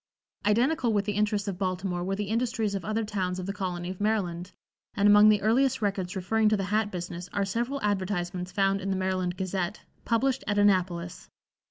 [Illustration: The 'Cavalier', 1689] Identical with the interests of Baltimore were the industries of other towns of the colony of Maryland, and among the earliest records referring to the hat business are several advertisements found in the Maryland Gazette, published at Annapolis.